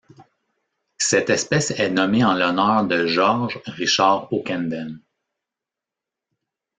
Cette espèce est nommée en l'honneur de George Richard Ockenden.